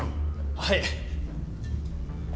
はい。